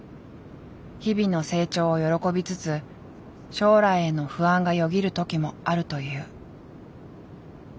日々の成長を喜びつつ将来への不安がよぎる時もあるという。